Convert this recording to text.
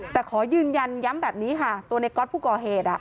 แต่ขอยืนยันย้ำแบบนี้ค่ะตัวในก๊อตผู้ก่อเหตุ